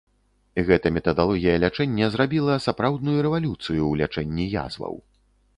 Гэта метадалогія лячэння зрабіла сапраўдную рэвалюцыю ў лячэнні язваў.